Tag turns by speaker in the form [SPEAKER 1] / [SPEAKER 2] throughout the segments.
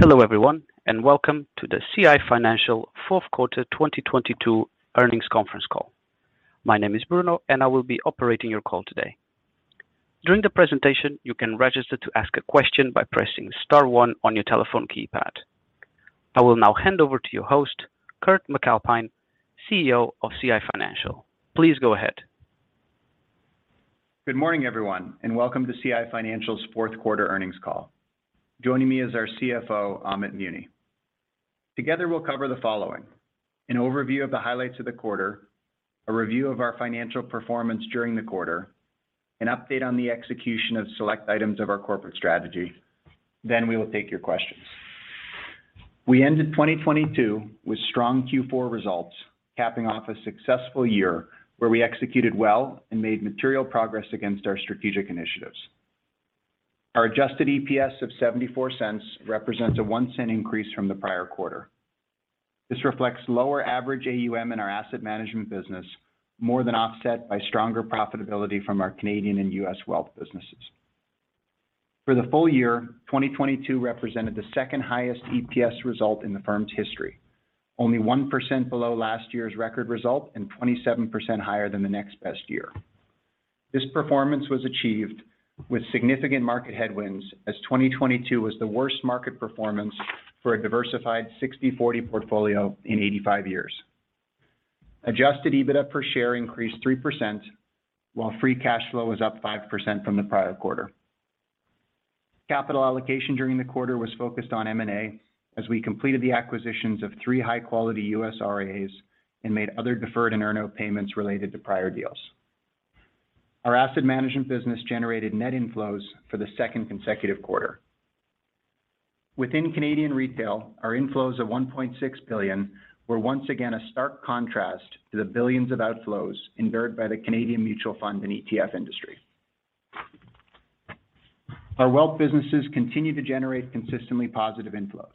[SPEAKER 1] Hello everyone, welcome to the CI Financial Fourth Quarter 2022 Earnings Conference Call. My name is Bruno, and I will be operating your call today. During the presentation, you can register to ask a question by pressing star one on your telephone keypad. I will now hand over to your host, Kurt MacAlpine, CEO of CI Financial. Please go ahead.
[SPEAKER 2] Good morning, everyone, welcome to CI Financial's Fourth Quarter 2022 Earnings Call. Joining me is our CFO, Amit Muni. Together, we'll cover the following: an overview of the highlights of the quarter, a review of our financial performance during the quarter, an update on the execution of select items of our corporate strategy, we will take your questions. We ended 2022 with strong Q4 results, capping off a successful year where we executed well and made material progress against our strategic initiatives. Our adjusted EPS of 0.74 represents a 0.01 increase from the prior quarter. This reflects lower average AUM in our asset management business, more than offset by stronger profitability from our Canadian and U.S. wealth businesses. For the full year, 2022 represented the second highest EPS result in the firm's history. Only 1% below last year's record result and 27% higher than the next best year. This performance was achieved with significant market headwinds as 2022 was the worst market performance for a diversified 60/40 portfolio in 85 years. Adjusted EBITDA per share increased 3%, while free cash flow was up 5% from the prior quarter. Capital allocation during the quarter was focused on M&A as we completed the acquisitions of three high-quality U.S. RIAs and made other deferred and earn-out payments related to prior deals. Our asset management business generated net inflows for the second consecutive quarter. Within Canadian retail, our inflows of 1.6 billion were once again a stark contrast to the billions of outflows incurred by the Canadian mutual fund and ETF industry. Our wealth businesses continue to generate consistently positive inflows.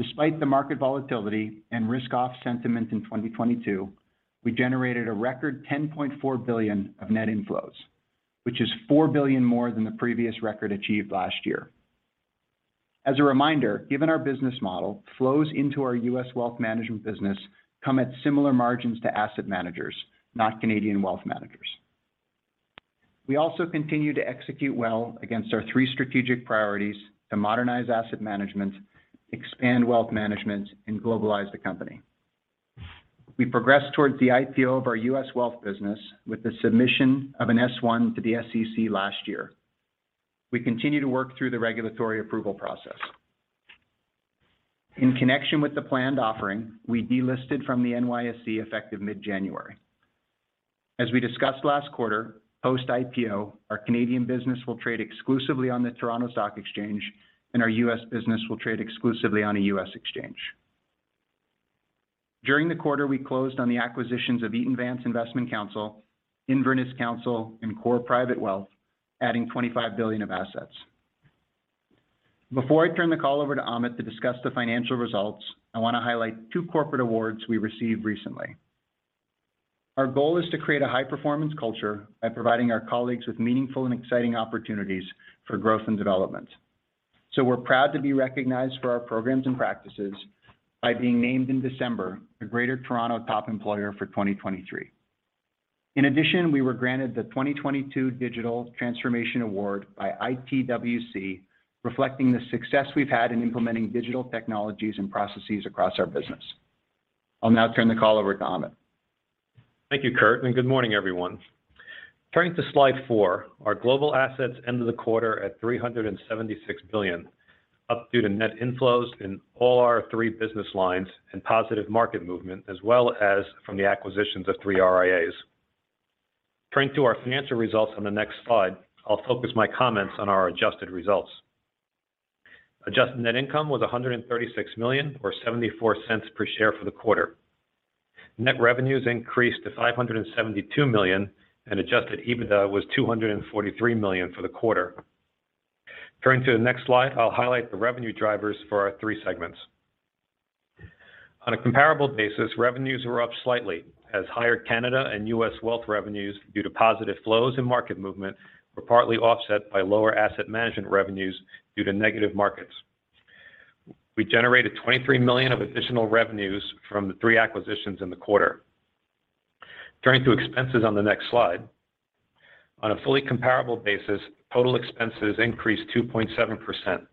[SPEAKER 2] Despite the market volatility and risk-off sentiment in 2022, we generated a record 10.4 billion of net inflows, which is 4 billion more than the previous record achieved last year. As a reminder, given our business model, flows into our U.S. wealth management business come at similar margins to asset managers, not Canadian wealth managers. We also continue to execute well against our three strategic priorities to modernize asset management, expand wealth management, and globalize the company. We progressed towards the IPO of our U.S. wealth business with the submission of an S-1 to the SEC last year. We continue to work through the regulatory approval process. In connection with the planned offering, we delisted from the NYSE effective mid-January. As we discussed last quarter, post-IPO, our Canadian business will trade exclusively on the Toronto Stock Exchange, and our U.S. business will trade exclusively on a U.S. exchange. During the quarter, we closed on the acquisitions of Eaton Vance Investment Counsel, Inverness Counsel, and Kore Private Wealth, adding 25 billion of assets. Before I turn the call over to Amit to discuss the financial results, I want to highlight two corporate awards we received recently. We're proud to be recognized for our programs and practices by being named in December a Greater Toronto's Top Employers for 2023. In addition, we were granted the 2022 Digital Transformation Award by ITWC, reflecting the success we've had in implementing digital technologies and processes across our business. I'll now turn the call over to Amit.
[SPEAKER 3] Thank you, Kurt. Good morning, everyone. Turning to slide four, our global assets ended the quarter at 376 billion, up due to net inflows in all our three business lines and positive market movement, as well as from the acquisitions of three RIAs. Turning to our financial results on the next slide, I'll focus my comments on our adjusted results. Adjusted net income was 136 million or 0.74 per share for the quarter. Net revenues increased to 572 million. Adjusted EBITDA was 243 million for the quarter. Turning to the next slide, I'll highlight the revenue drivers for our three segments. On a comparable basis, revenues were up slightly as higher Canada and U.S. wealth revenues due to positive flows and market movement were partly offset by lower asset management revenues due to negative markets. We generated 23 million of additional revenues from the three acquisitions in the quarter. Turning to expenses on the next slide. On a fully comparable basis, total expenses increased 2.7%.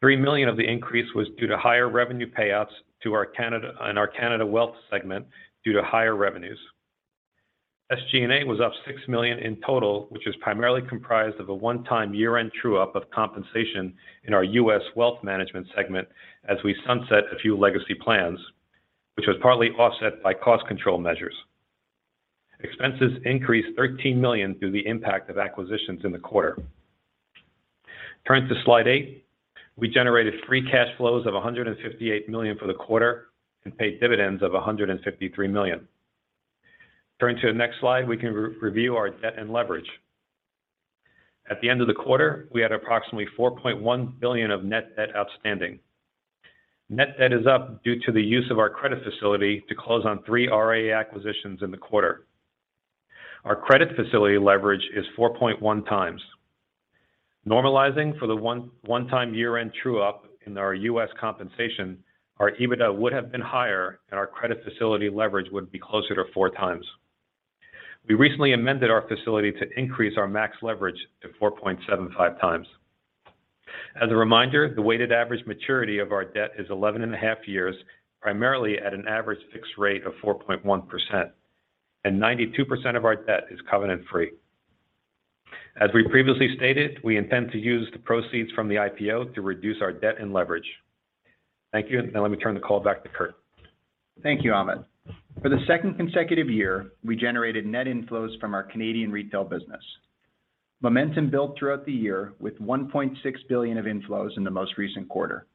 [SPEAKER 3] 3 million of the increase was due to higher revenue payouts to our Canada wealth segment due to higher revenues. SG&A was up 6 million in total, which is primarily comprised of a one-time year-end true-up of compensation in our U.S. wealth management segment as we sunset a few legacy plans, which was partly offset by cost control measures. Expenses increased 13 million due the impact of acquisitions in the quarter. Turning to slide eight. We generated free cash flows of 158 million for the quarter and paid dividends of 153 million. Turning to the next slide, we can re-review our debt and leverage. At the end of the quarter, we had approximately 4.1 billion of net debt outstanding. Net debt is up due to the use of our credit facility to close on three RIA acquisitions in the quarter. Our credit facility leverage is 4.1x. Normalizing for the one-time year-end true up in our U.S. compensation, our EBITDA would have been higher and our credit facility leverage would be closer to 4x. We recently amended our facility to increase our max leverage to 4.75x. As a reminder, the weighted average maturity of our debt is 11.5 years, primarily at an average fixed rate of 4.1%. 92% of our debt is covenant-free. As we previously stated, we intend to use the proceeds from the IPO to reduce our debt and leverage. Thank you. Let me turn the call back to Kurt.
[SPEAKER 2] Thank you, Amit. For the second consecutive year, we generated net inflows from our Canadian retail business. Momentum built throughout the year with 1.6 billion of inflows in the most recent quarter.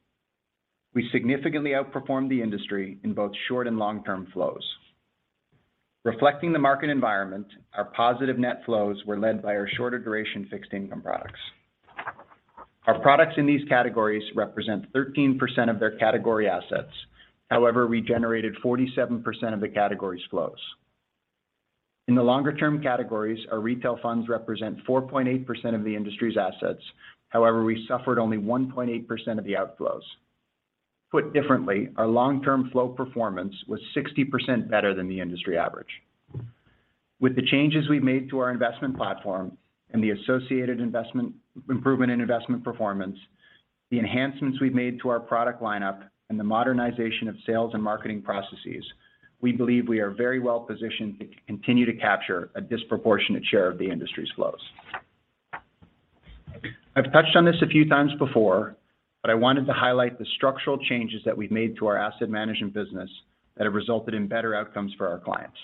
[SPEAKER 2] We significantly outperformed the industry in both short and long-term flows. Reflecting the market environment, our positive net flows were led by our shorter duration fixed income products. Our products in these categories represent 13% of their category assets. However, we generated 47% of the category's flows. In the longer-term categories, our retail funds represent 4.8% of the industry's assets. However, we suffered only 1.8% of the outflows. Put differently, our long-term flow performance was 60% better than the industry average. With the changes we've made to our investment platform and the associated improvement in investment performance, the enhancements we've made to our product lineup, and the modernization of sales and marketing processes, we believe we are very well-positioned to continue to capture a disproportionate share of the industry's flows. I've touched on this a few times before, but I wanted to highlight the structural changes that we've made to our asset management business that have resulted in better outcomes for our clients.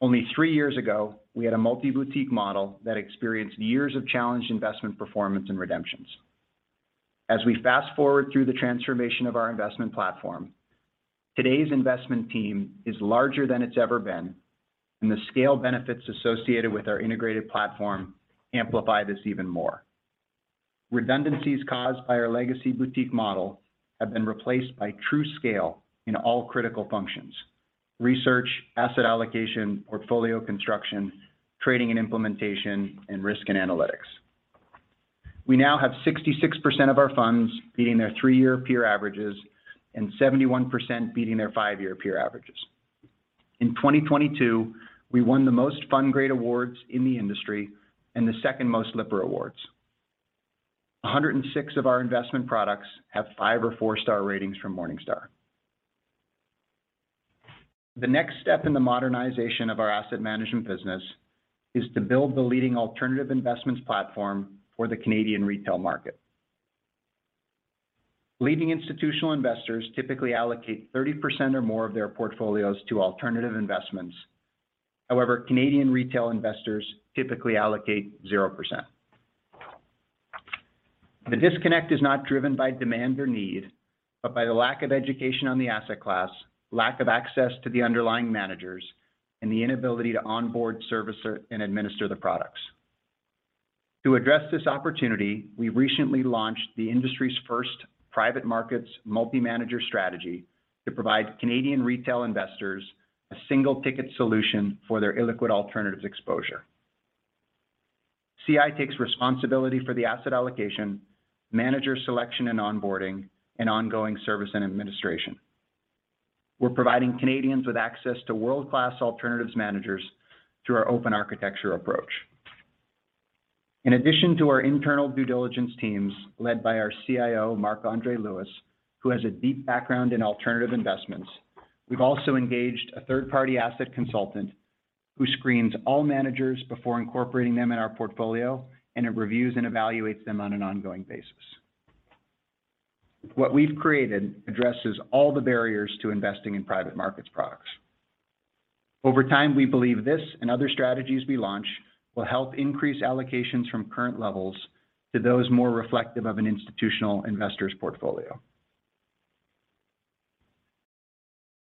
[SPEAKER 2] Only three years ago, we had a multi-boutique model that experienced years of challenged investment performance and redemptions. As we fast-forward through the transformation of our investment platform, today's investment team is larger than it's ever been, and the scale benefits associated with our integrated platform amplify this even more. Redundancies caused by our legacy boutique model have been replaced by true scale in all critical functions: research, asset allocation, portfolio construction, trading, and implementation, and risk and analytics. We now have 66% of our funds beating their three-year peer averages and 71% beating their five-year peer averages. In 2022, we won the most FundGrade awards in the industry and the second most Lipper awards. 106 of our investment products have five- or four-star ratings from Morningstar. The next step in the modernization of our asset management business is to build the leading alternative investments platform for the Canadian retail market. Leading institutional investors typically allocate 30% or more of their portfolios to alternative investments. Canadian retail investors typically allocate 0%. The disconnect is not driven by demand or need, but by the lack of education on the asset class, lack of access to the underlying managers, and the inability to onboard servicer and administer the products. To address this opportunity, we recently launched the industry's first private markets multi-manager strategy to provide Canadian retail investors a single-ticket solution for their illiquid alternatives exposure. CI takes responsibility for the asset allocation, manager selection and onboarding, and ongoing service and administration. We're providing Canadians with access to world-class alternatives managers through our open architecture approach. In addition to our internal due diligence teams led by our CIO, Marc-André Lewis, who has a deep background in alternative investments, we've also engaged a third-party asset consultant who screens all managers before incorporating them in our portfolio and reviews and evaluates them on an ongoing basis. What we've created addresses all the barriers to investing in private markets products. Over time, we believe this and other strategies we launch will help increase allocations from current levels to those more reflective of an institutional investor's portfolio.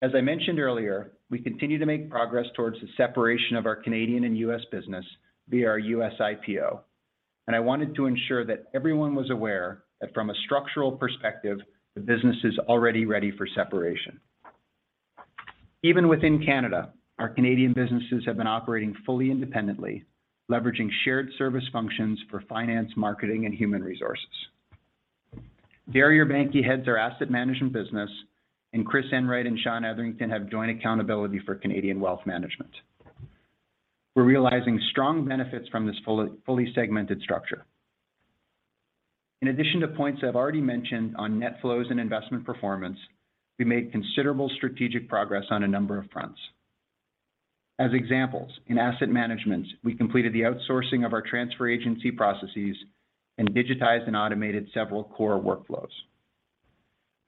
[SPEAKER 2] As I mentioned earlier, we continue to make progress towards the separation of our Canadian and U.S. business via our U.S. IPO, and I wanted to ensure that everyone was aware that from a structural perspective, the business is already ready for separation. Even within Canada, our Canadian businesses have been operating fully independently, leveraging shared service functions for finance, marketing, and human resources. Darie Urbanky heads our asset management business, and Chris Enright and Sean Etherington have joint accountability for Canadian wealth management. We're realizing strong benefits from this fully segmented structure. In addition to points I've already mentioned on net flows and investment performance, we made considerable strategic progress on a number of fronts. As examples, in asset management, we completed the outsourcing of our transfer agency processes and digitized and automated several core workflows.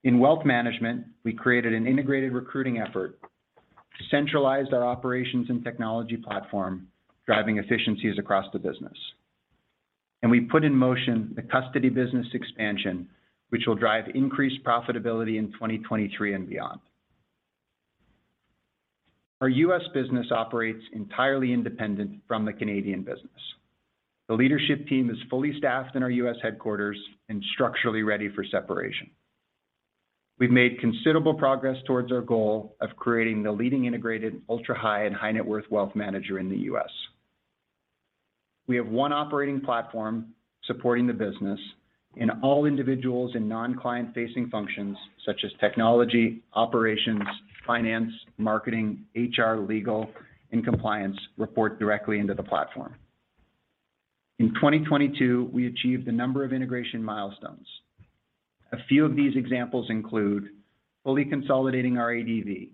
[SPEAKER 2] In wealth management, we created an integrated recruiting effort to centralize our operations and technology platform, driving efficiencies across the business. We put in motion the custody business expansion, which will drive increased profitability in 2023 and beyond. Our U.S. business operates entirely independent from the Canadian business. The leadership team is fully staffed in our U.S. headquarters and structurally ready for separation. We've made considerable progress towards our goal of creating the leading integrated ultra high and high net worth wealth manager in the U.S. We have one operating platform supporting the business, and all individuals in non-client facing functions such as technology, operations, finance, marketing, HR, legal, and compliance report directly into the platform. In 2022, we achieved a number of integration milestones. A few of these examples include fully consolidating our ADV,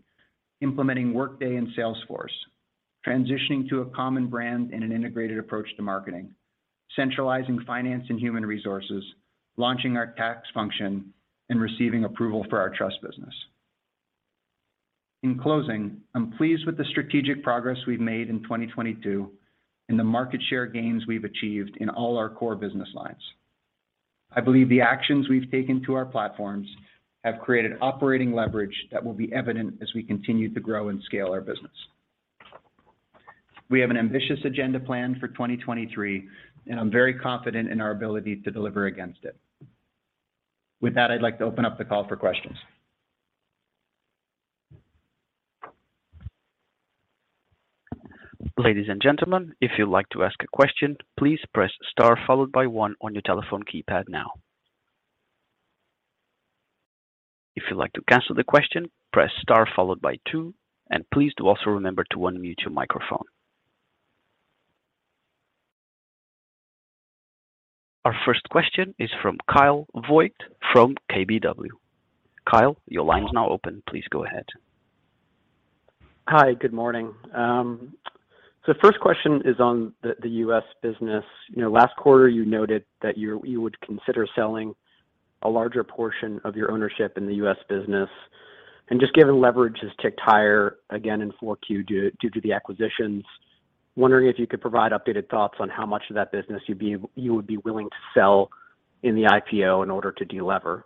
[SPEAKER 2] implementing Workday and Salesforce, transitioning to a common brand and an integrated approach to marketing, centralizing finance and human resources, launching our tax function, and receiving approval for our trust business. In closing, I'm pleased with the strategic progress we've made in 2022 and the market share gains we've achieved in all our core business lines. I believe the actions we've taken to our platforms have created operating leverage that will be evident as we continue to grow and scale our business. We have an ambitious agenda plan for 2023, and I'm very confident in our ability to deliver against it. With that, I'd like to open up the call for questions.
[SPEAKER 1] Ladies and gentlemen, if you'd like to ask a question, please press star followed by one on your telephone keypad now. If you'd like to cancel the question, press star followed by two, and please do also remember to unmute your microphone. Our first question is from Kyle Voigt from KBW. Kyle, your line's now open. Please go ahead.
[SPEAKER 4] Hi. Good morning. First question is on the U.S. business. You know, last quarter you noted that you would consider selling a larger portion of your ownership in the U.S. business. Just given leverage has ticked higher again in Q4 due to the acquisitions, wondering if you could provide updated thoughts on how much of that business you would be willing to sell in the IPO in order to delever.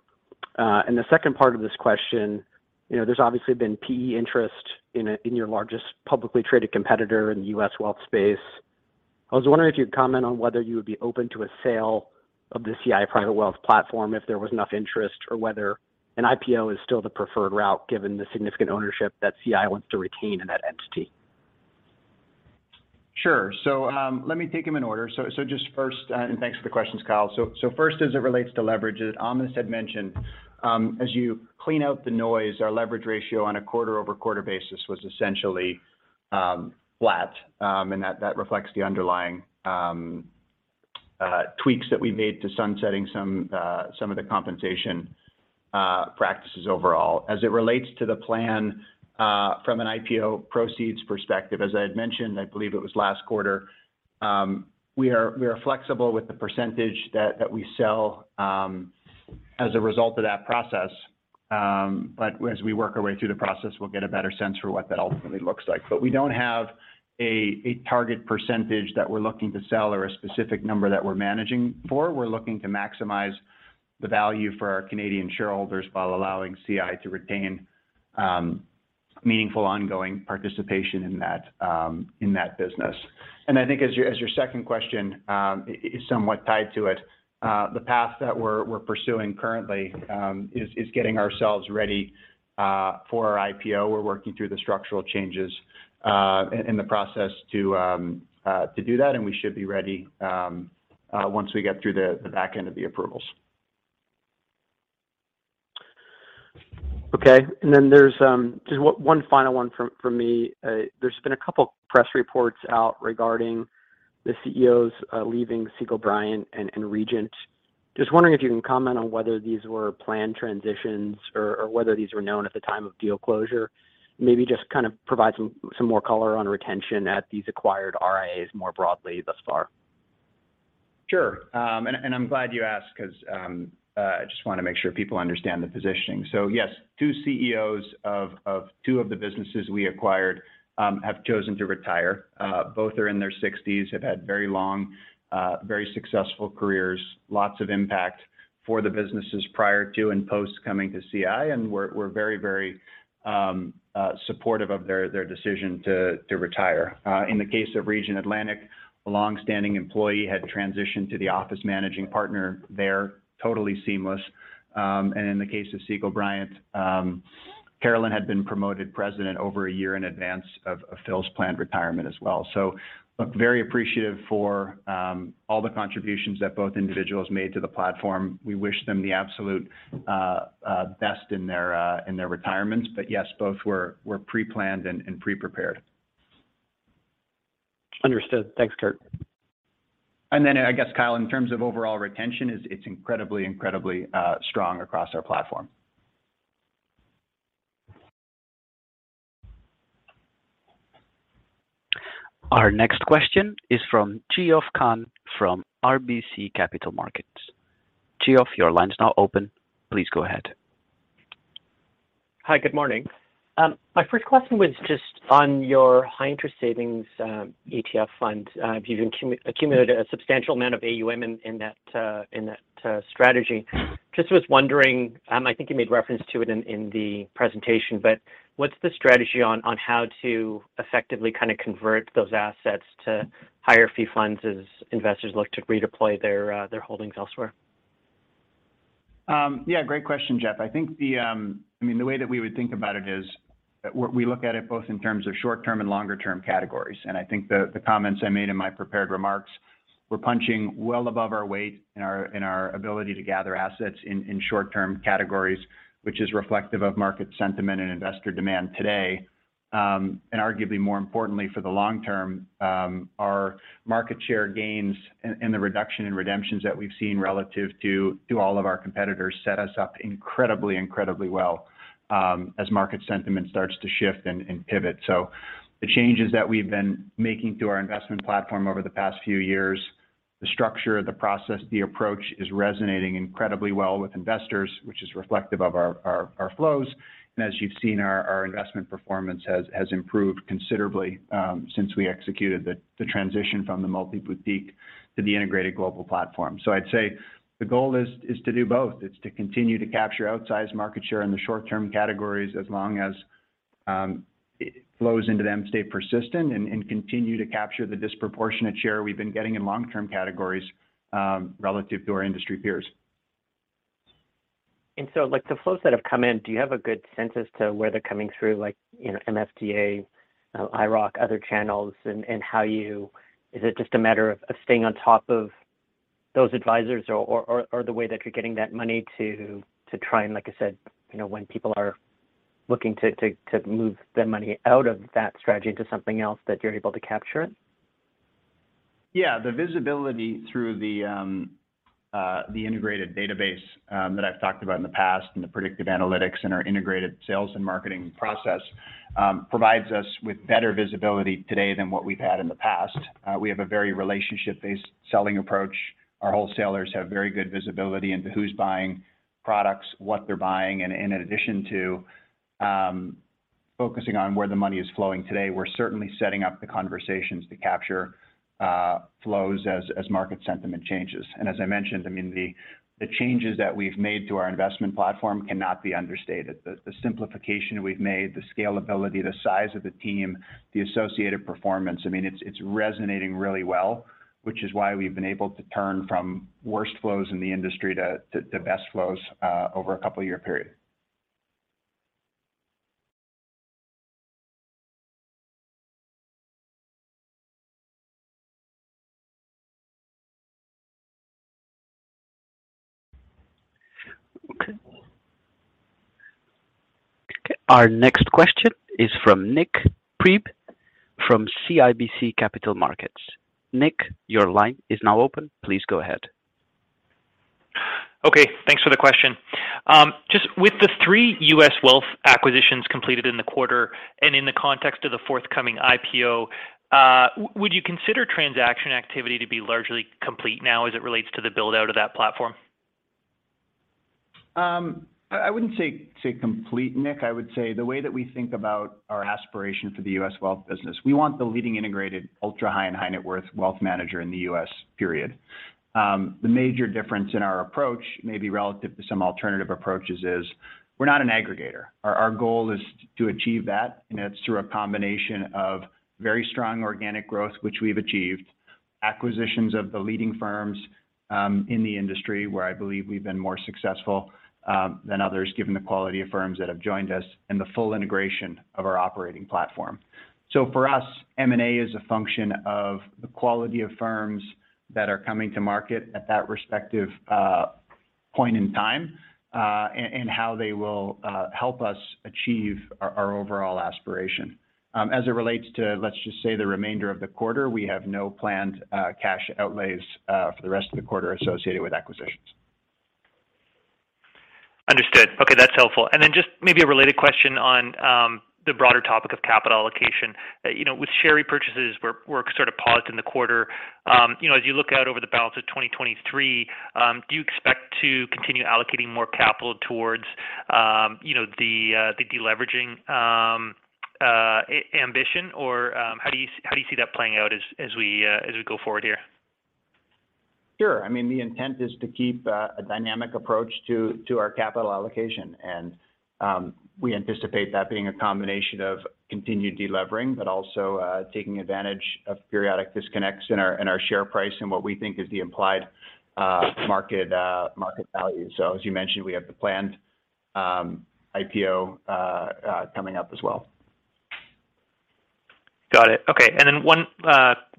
[SPEAKER 4] The second part of this question, you know, there's obviously been PE interest in your largest publicly traded competitor in the U.S. wealth space. I was wondering if you'd comment on whether you would be open to a sale of the CI Private Wealth platform if there was enough interest or whether an IPO is still the preferred route, given the significant ownership that CI wants to retain in that entity?
[SPEAKER 2] Sure. Let me take them in order. Just first. Thanks for the questions, Kyle. First, as it relates to leverage, as Amit had mentioned, as you clean out the noise, our leverage ratio on a quarter-over-quarter basis was essentially flat. That reflects the underlying tweaks that we made to sunsetting some of the compensation practices overall. As it relates to the plan, from an IPO proceeds perspective, as I had mentioned, I believe it was last quarter, we are flexible with the percentage that we sell as a result of that process. As we work our way through the process, we'll get a better sense for what that ultimately looks like. We don't have a target percentage that we're looking to sell or a specific number that we're managing for. We're looking to maximize the value for our Canadian shareholders while allowing CI to retain meaningful ongoing participation in that in that business. I think as your second question is somewhat tied to it, the path that we're pursuing currently is getting ourselves ready for our IPO. We're working through the structural changes in the process to do that, and we should be ready once we get through the back end of the approvals.
[SPEAKER 4] Okay. Then there's just one final one from me. There's been a couple press reports out regarding the CEOs leaving Segall Bryant and Regent. Wondering if you can comment on whether these were planned transitions or whether these were known at the time of deal closure? Just kind of provide some more color on retention at these acquired RIAs more broadly thus far.
[SPEAKER 2] Sure. I'm glad you asked 'cause I just want to make sure people understand the positioning. Yes, two CEOs of two of the businesses we acquired have chosen to retire. Both are in their sixties, have had very long, very successful careers, lots of impact for the businesses prior to and post coming to CI, and we're very supportive of their decision to retire. In the case of RegentAtlantic, a longstanding employee had transitioned to the office managing partner there, totally seamless. In the case of Segall Bryant, Carolyn had been promoted President over a year in advance of Phil's planned retirement as well. Look, very appreciative for all the contributions that both individuals made to the platform. We wish them the absolute best in their retirements. Yes, both were pre-planned and pre-prepared.
[SPEAKER 4] Understood. Thanks, Kurt.
[SPEAKER 2] I guess, Kyle, in terms of overall retention, it's incredibly strong across our platform.
[SPEAKER 1] Our next question is from Geoffrey Kwan from RBC Capital Markets. Geoff, your line's now open. Please go ahead.
[SPEAKER 5] Hi, good morning. My first question was just on your High Interest Savings ETF fund. You've accumulated a substantial amount of AUM in that strategy. Just was wondering, I think you made reference to it in the presentation, but what's the strategy on how to effectively kind of convert those assets to higher fee funds as investors look to redeploy their holdings elsewhere?
[SPEAKER 2] Yeah, great question, Jeff. I mean, the way that we would think about it is that we look at it both in terms of short-term and longer-term categories. I think the comments I made in my prepared remarks, we're punching well above our weight in our ability to gather assets in short-term categories, which is reflective of market sentiment and investor demand today. Arguably more importantly for the long term, our market share gains and the reduction in redemptions that we've seen relative to all of our competitors set us up incredibly well as market sentiment starts to shift and pivot. The changes that we've been making to our investment platform over the past few years, the structure, the process, the approach is resonating incredibly well with investors, which is reflective of our flows. As you've seen, our investment performance has improved considerably since we executed the transition from the multi-boutique to the integrated global platform. I'd say the goal is to do both. It's to continue to capture outsized market share in the short-term categories as long as flows into them stay persistent and continue to capture the disproportionate share we've been getting in long-term categories relative to our industry peers.
[SPEAKER 5] Like, the flows that have come in, do you have a good sense as to where they're coming through, like, you know, MFDA, IIROC, other channels? Is it just a matter of staying on top of those advisors or the way that you're getting that money to try and, like I said, you know, when people are looking to move their money out of that strategy into something else that you're able to capture it?
[SPEAKER 2] Yeah. The visibility through the integrated database that I've talked about in the past and the predictive analytics and our integrated sales and marketing process provides us with better visibility today than what we've had in the past. We have a very relationship-based selling approach. Our wholesalers have very good visibility into who's buying products, what they're buying. In addition to focusing on where the money is flowing today, we're certainly setting up the conversations to capture flows as market sentiment changes. As I mentioned, I mean, the changes that we've made to our investment platform cannot be understated. The simplification we've made, the scalability, the size of the team, the associated performance, I mean, it's resonating really well, which is why we've been able to turn from worst flows in the industry to best flows over a couple year period.
[SPEAKER 1] Okay. Okay. Our next question is from Nik Priebe from CIBC Capital Markets. Nik, your line is now open. Please go ahead.
[SPEAKER 6] Okay. Thanks for the question. Just with the three U.S. wealth acquisitions completed in the quarter and in the context of the forthcoming IPO, would you consider transaction activity to be largely complete now as it relates to the build-out of that platform?
[SPEAKER 2] I wouldn't say complete, Nik. I would say the way that we think about our aspiration for the U.S. wealth business, we want the leading integrated ultra high-end high net worth wealth manager in the U.S., period. The major difference in our approach, maybe relative to some alternative approaches, is we're not an aggregator. Our goal is to achieve that, and it's through a combination of very strong organic growth, which we've achieved. Acquisitions of the leading firms in the industry, where I believe we've been more successful than others, given the quality of firms that have joined us and the full integration of our operating platform. For us, M&A is a function of the quality of firms that are coming to market at that respective point in time, and how they will help us achieve our overall aspiration. As it relates to, let just say, the remainder of the quarter, we have no planned cash outlays for the rest of the quarter associated with acquisitions.
[SPEAKER 6] Understood. Okay, that's helpful. Then just maybe a related question on the broader topic of capital allocation. You know, with share repurchases were sort of paused in the quarter. You know, as you look out over the balance of 2023, do you expect to continue allocating more capital towards, you know, the deleveraging ambition? How do you see that playing out as we go forward here?
[SPEAKER 2] Sure. I mean, the intent is to keep a dynamic approach to our capital allocation. We anticipate that being a combination of continued delevering, but also taking advantage of periodic disconnects in our share price and what we think is the implied market value. As you mentioned, we have the planned IPO coming up as well.
[SPEAKER 6] Got it. Okay. One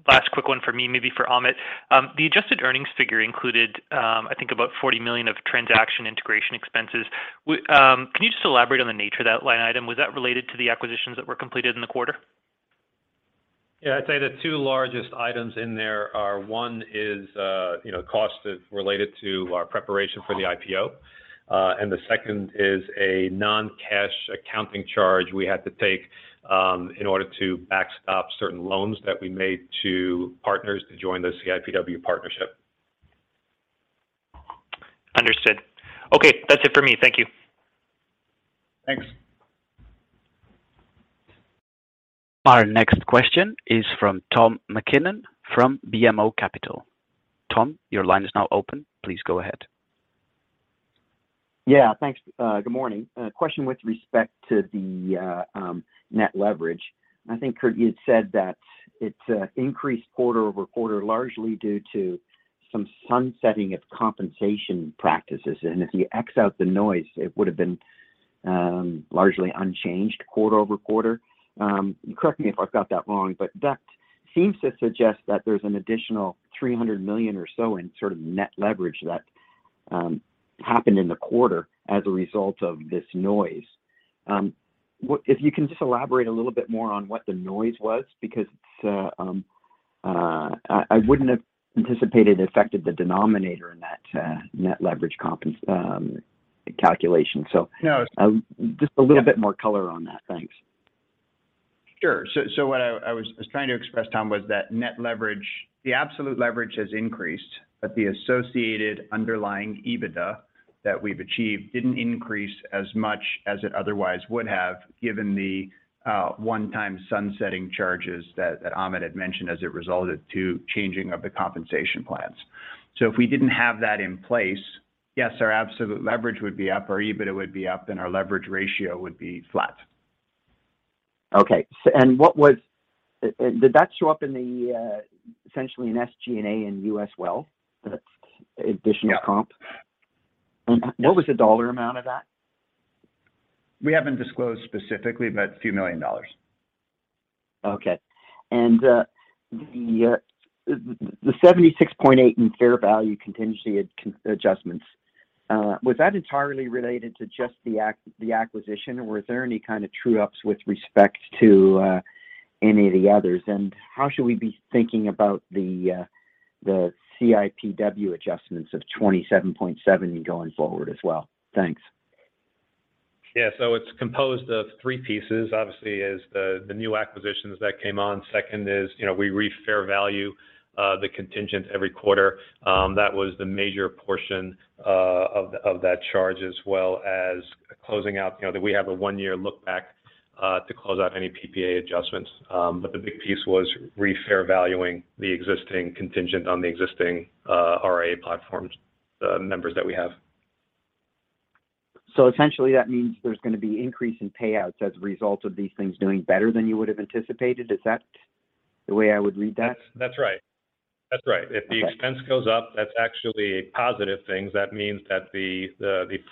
[SPEAKER 6] last quick one for me, maybe for Amit. The adjusted earnings figure included, I think about 40 million of transaction integration expenses. Can you just elaborate on the nature of that line item? Was that related to the acquisitions that were completed in the quarter?
[SPEAKER 3] Yeah. I'd say the two largest items in there are, one is, you know, cost related to our preparation for the IPO. The second is a non-cash accounting charge we had to take, in order to backstop certain loans that we made to partners to join the CIPW partnership.
[SPEAKER 6] Understood. Okay. That's it for me. Thank you.
[SPEAKER 2] Thanks.
[SPEAKER 1] Our next question is from Tom MacKinnon from BMO Capital. Tom, your line is now open. Please go ahead.
[SPEAKER 7] Yeah. Thanks. Good morning. A question with respect to the net leverage. I think, Kurt, you had said that it increased quarter-over-quarter largely due to some sunsetting of compensation practices. If you X out the noise, it would have been largely unchanged quarter-over-quarter. Correct me if I've got that wrong, but that seems to suggest that there's an additional 300 million or so in sort of net leverage that happened in the quarter as a result of this noise. What if you can just elaborate a little bit more on what the noise was because it's I wouldn't have anticipated it affected the denominator in that net leverage calculation.
[SPEAKER 2] Yeah.
[SPEAKER 7] Just a little bit more color on that. Thanks.
[SPEAKER 2] Sure. What I was trying to express, Tom, was that net leverage. The absolute leverage has increased, but the associated underlying EBITDA that we've achieved didn't increase as much as it otherwise would have, given the one-time sunsetting charges that Amit had mentioned as it resulted to changing of the compensation plans. If we didn't have that in place, yes, our absolute leverage would be up, our EBITDA would be up, and our leverage ratio would be flat.
[SPEAKER 7] Okay. Did that show up in the essentially in SG&A in U.S. wealth, the additional comp?
[SPEAKER 3] Yeah.
[SPEAKER 7] What was the dollar amount of that?
[SPEAKER 3] We haven't disclosed specifically, but a few million dollars.
[SPEAKER 7] Okay. The 76.8 in fair value contingency adjustments was that entirely related to just the acquisition, or were there any kind of true ups with respect to any of the others? How should we be thinking about the CIPW adjustments of 27.7 going forward as well? Thanks.
[SPEAKER 3] Yeah. It's composed of three pieces. Obviously is the new acquisitions that came on. Second is, you know, we re-fair value the contingent every quarter. That was the major portion of that charge, as well as closing out, you know, that we have a one-year look back to close out any PPA adjustments. The big piece was re-fair valuing the existing contingent on the existing RIA platforms members that we have.
[SPEAKER 7] Essentially that means there's gonna be increase in payouts as a result of these things doing better than you would have anticipated. Is that the way I would read that?
[SPEAKER 3] That's right. That's right.
[SPEAKER 7] Okay.
[SPEAKER 3] If the expense goes up, that's actually a positive thing. That means that the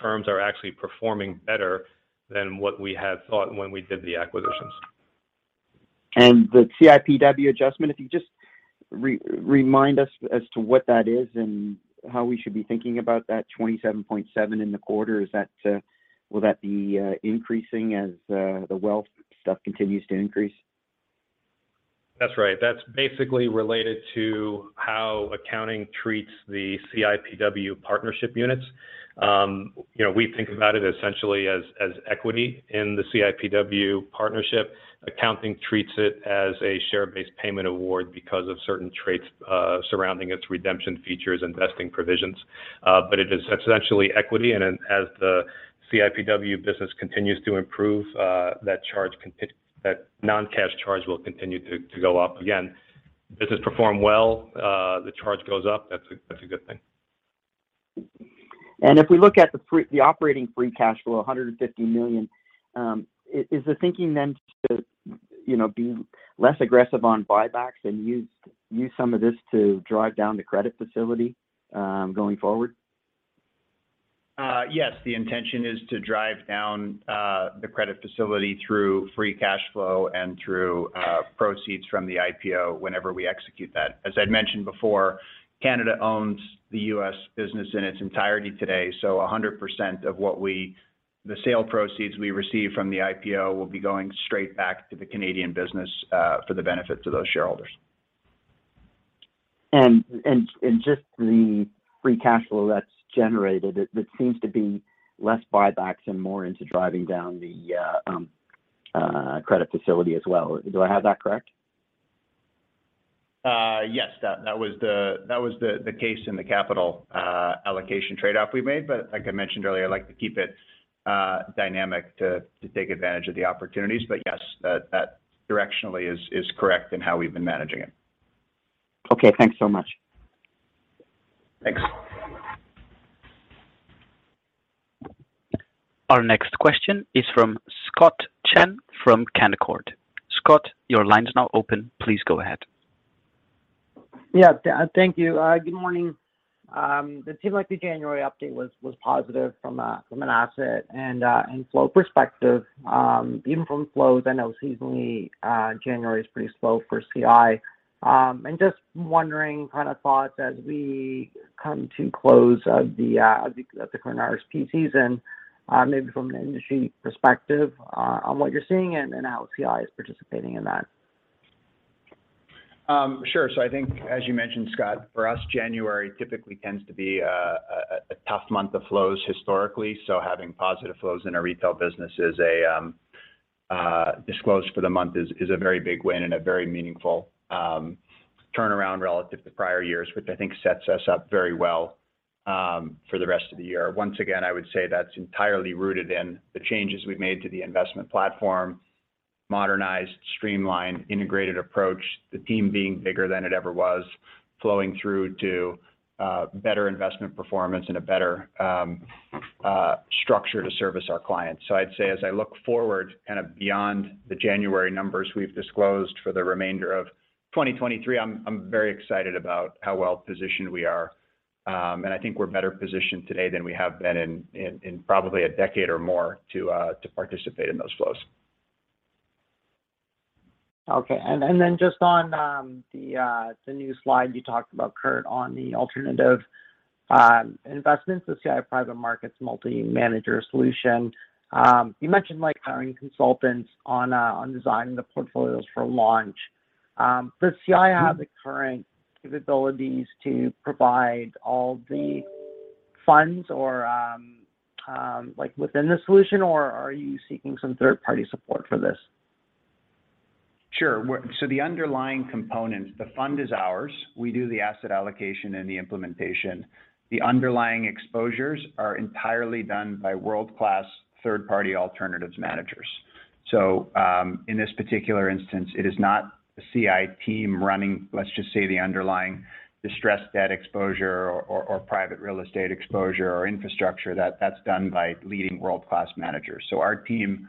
[SPEAKER 3] firms are actually performing better than what we had thought when we did the acquisitions.
[SPEAKER 7] The CIPW adjustment, if you just remind us as to what that is and how we should be thinking about that 27.7 in the quarter. Is that, will that be increasing as the wealth stuff continues to increase?
[SPEAKER 3] That's right. That's basically related to how accounting treats the CIPW partnership units. you know, we think about it essentially as equity in the CIPW partnership. Accounting treats it as a share-based payment award because of certain traits, surrounding its redemption features, investing provisions. It is substantially equity, and then as the CIPW business continues to improve, that non-cash charge will continue to go up. Again, business perform well, the charge goes up, that's a good thing.
[SPEAKER 7] If we look at the operating free cash flow, 150 million, is the thinking then to, you know, be less aggressive on buybacks and use some of this to drive down the credit facility going forward?
[SPEAKER 3] Yes. The intention is to drive down the credit facility through free cash flow and through proceeds from the IPO whenever we execute that. As I'd mentioned before, Canada owns the U.S. business in its entirety today, so 100% of the sale proceeds we receive from the IPO will be going straight back to the Canadian business for the benefit of those shareholders.
[SPEAKER 7] Just the free cash flow that's generated, it seems to be less buybacks and more into driving down the credit facility as well. Do I have that correct?
[SPEAKER 3] Yes. That was the case in the capital allocation trade-off we made. Like I mentioned earlier, I like to keep it dynamic to take advantage of the opportunities. Yes, that directionally is correct in how we've been managing it.
[SPEAKER 7] Okay. Thanks so much.
[SPEAKER 3] Thanks.
[SPEAKER 1] Our next question is from Scott Chan from Canaccord. Scott, your line is now open. Please go ahead.
[SPEAKER 8] Yeah. Thank you. Good morning. It seemed like the January update was positive from an asset and flow perspective. Even from flows, I know seasonally, January is pretty slow for CI. Just wondering kind of thoughts as we come to close of the current RSP season, maybe from an industry perspective on what you're seeing and how CI is participating in that.
[SPEAKER 3] Sure. I think as you mentioned, Scott, for us, January typically tends to be a tough month of flows historically. Having positive flows in our retail business is a disclose for the month is a very big win and a very meaningful turnaround relative to prior years, which I think sets us up very well for the rest of the year. Once again, I would say that's entirely rooted in the changes we've made to the investment platform
[SPEAKER 2] Modernized, streamlined, integrated approach. The team being bigger than it ever was, flowing through to better investment performance and a better structure to service our clients. I'd say as I look forward kind of beyond the January numbers we've disclosed for the remainder of 2023, I'm very excited about how well-positioned we are. I think we're better positioned today than we have been in probably a decade or more to participate in those flows.
[SPEAKER 8] Okay. Then just on the new slide you talked about, Kurt, on the alternative investments, the CI Private Markets multi-manager solution. You mentioned like hiring consultants on designing the portfolios for launch. Does CI have the current capabilities to provide all the funds or, like within the solution, or are you seeking some third-party support for this?
[SPEAKER 2] Sure. The underlying components, the fund is ours. We do the asset allocation and the implementation. The underlying exposures are entirely done by world-class third-party alternatives managers. In this particular instance, it is not the CI team running, let's just say, the underlying distressed debt exposure or private real estate exposure or infrastructure. That's done by leading world-class managers. Our team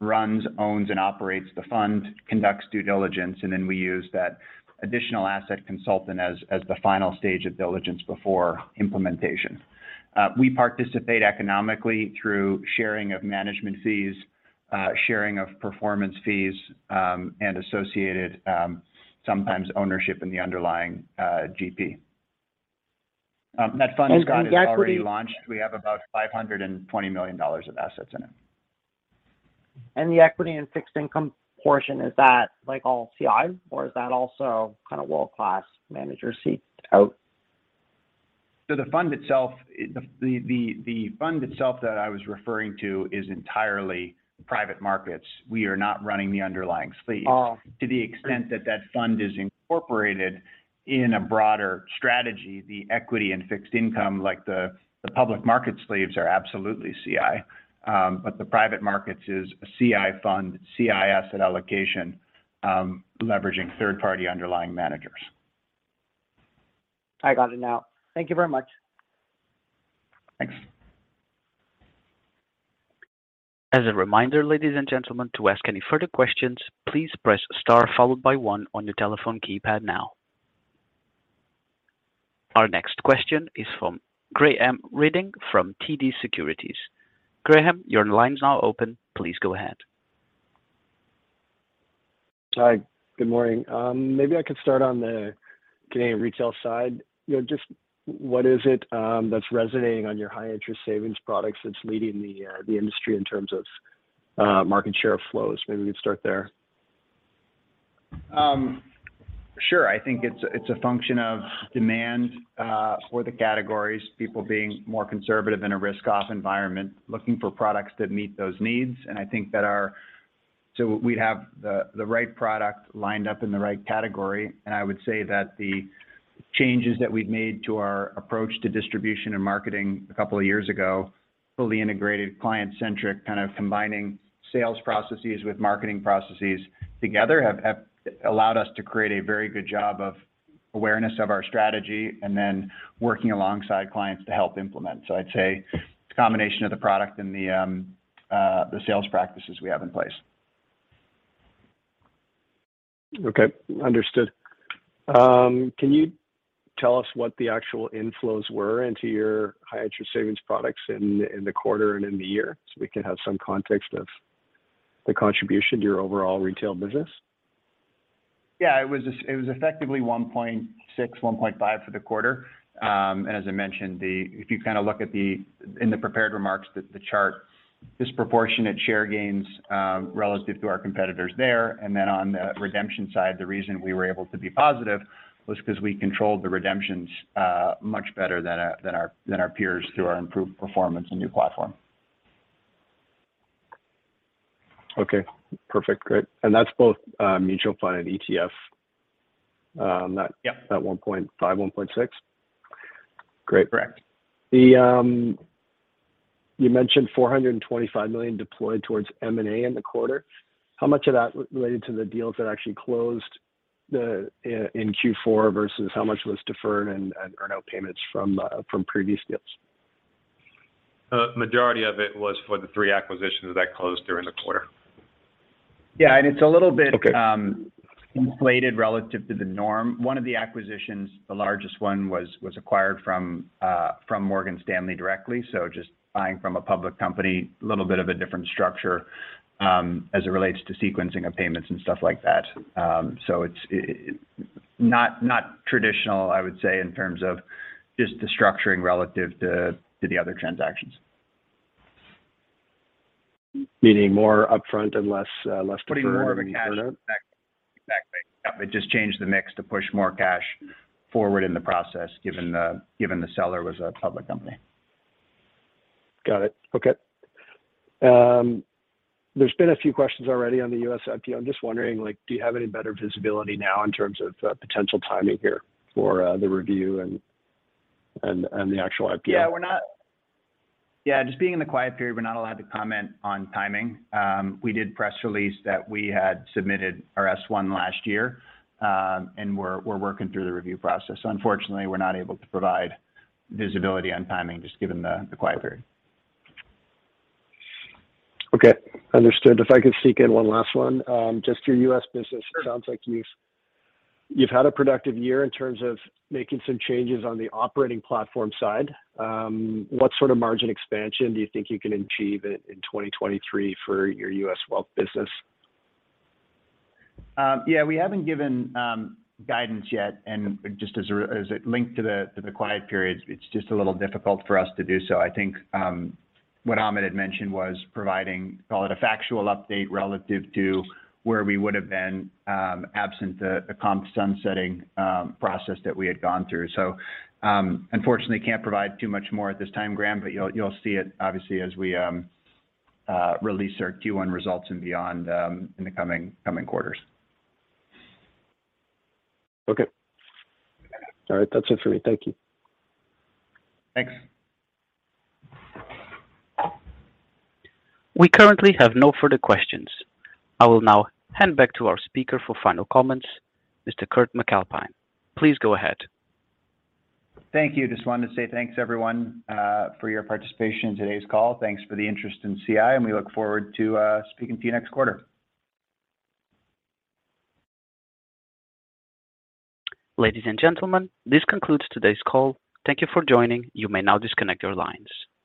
[SPEAKER 2] runs, owns, and operates the fund, conducts due diligence, and then we use that additional asset consultant as the final stage of diligence before implementation. We participate economically through sharing of management fees, sharing of performance fees, and associated, sometimes ownership in the underlying GP. That fund has gone-
[SPEAKER 8] the equity-
[SPEAKER 2] It's already launched. We have about 520 million dollars of assets in it.
[SPEAKER 8] The equity and fixed income portion, is that like all CI or is that also kind of world-class manager seek out?
[SPEAKER 2] The fund itself that I was referring to is entirely private markets. We are not running the underlying sleeves.
[SPEAKER 8] Oh.
[SPEAKER 2] To the extent that fund is incorporated in a broader strategy, the equity and fixed income, like the public market sleeves are absolutely CI. The private markets is a CI fund, CI asset allocation, leveraging third-party underlying managers.
[SPEAKER 8] I got it now. Thank you very much.
[SPEAKER 2] Thanks.
[SPEAKER 1] As a reminder, ladies and gentlemen, to ask any further questions, please press star followed by one on your telephone keypad now. Our next question is from Graham Ryding from TD Securities. Graham, your line is now open. Please go ahead.
[SPEAKER 9] Hi. Good morning. Maybe I could start on the Canadian retail side. You know, just what is it that's resonating on your high interest savings products that's leading the industry in terms of market share flows? Maybe we could start there.
[SPEAKER 2] Sure. I think it's a function of demand for the categories, people being more conservative in a risk-off environment, looking for products that meet those needs. We have the right product lined up in the right category. I would say that the changes that we've made to our approach to distribution and marketing a couple of years ago, fully integrated, client-centric, kind of combining sales processes with marketing processes together, have allowed us to create a very good job of awareness of our strategy and then working alongside clients to help implement. I'd say it's a combination of the product and the sales practices we have in place.
[SPEAKER 9] Okay. Understood. Can you tell us what the actual inflows were into your high interest savings products in the quarter and in the year so we can have some context of the contribution to your overall retail business?
[SPEAKER 2] Yeah. It was effectively 1.6, 1.5 for the quarter. As I mentioned, if you kind of look at the prepared remarks, the chart, disproportionate share gains, relative to our competitors there. Then on the redemption side, the reason we were able to be positive was because we controlled the redemptions much better than our peers through our improved performance and new platform.
[SPEAKER 9] Okay. Perfect. Great. That's both mutual fund and ETF.
[SPEAKER 2] Yep...
[SPEAKER 9] that 1.5, 1.6? Great.
[SPEAKER 2] Correct.
[SPEAKER 9] You mentioned 425 million deployed towards M&A in the quarter. How much of that related to the deals that actually closed in Q4 versus how much was deferred and earn-out payments from previous deals?
[SPEAKER 3] The majority of it was for the three acquisitions that closed during the quarter.
[SPEAKER 2] Yeah. it's a little bit-
[SPEAKER 9] Okay
[SPEAKER 2] inflated relative to the norm. One of the acquisitions, the largest one was acquired from Morgan Stanley directly. Just buying from a public company, a little bit of a different structure, as it relates to sequencing of payments and stuff like that. It's not traditional, I would say, in terms of just the structuring relative to the other transactions.
[SPEAKER 9] Meaning more upfront and less, less.
[SPEAKER 2] Putting more of a cash effect. Exactly. Yep. It just changed the mix to push more cash forward in the process, given the seller was a public company.
[SPEAKER 9] Got it. Okay. There's been a few questions already on the U.S. IPO. I'm just wondering, like, do you have any better visibility now in terms of potential timing here for the review and the actual IPO?
[SPEAKER 2] Yeah. Just being in the quiet period, we're not allowed to comment on timing. We did press release that we had submitted our S-1 last year, and we're working through the review process. Unfortunately, we're not able to provide visibility on timing just given the quiet period.
[SPEAKER 9] Understood. If I could sneak in one last one, just your U.S. business?
[SPEAKER 2] Sure...
[SPEAKER 9] it sounds like you've had a productive year in terms of making some changes on the operating platform side. What sort of margin expansion do you think you can achieve in 2023 for your U.S. wealth business?
[SPEAKER 2] Yeah. We haven't given guidance yet. Just as a, as a link to the, to the quiet periods, it's just a little difficult for us to do so. I think what Ahmed had mentioned was providing, call it a factual update relative to where we would have been absent the comp sunsetting process that we had gone through. Unfortunately, can't provide too much more at this time, Graham, but you'll see it obviously as we release our Q1 results and beyond in the coming quarters.
[SPEAKER 9] Okay. All right. That's it for me. Thank you.
[SPEAKER 2] Thanks.
[SPEAKER 1] We currently have no further questions. I will now hand back to our speaker for final comments, Mr. Kurt MacAlpine. Please go ahead.
[SPEAKER 2] Thank you. Just wanted to say thanks, everyone, for your participation in today's call. Thanks for the interest in CI. We look forward to speaking to you next quarter.
[SPEAKER 1] Ladies and gentlemen, this concludes today's call. Thank you for joining. You may now disconnect your lines. Thank you.